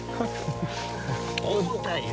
重たいよ。